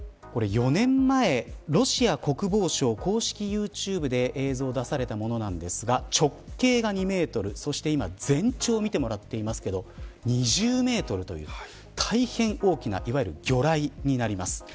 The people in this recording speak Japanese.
これ４年前ロシア国防省公式ユーチューブで映像、出されたものなんですが直径が２メートルそして今全長を見てもらっていますけど２０メートルという大変大きな魚雷になります。